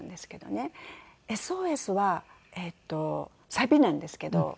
『Ｓ・Ｏ・Ｓ』はえっとサビなんですけど。